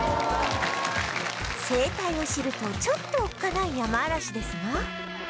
生態を知るとちょっとおっかないヤマアラシですが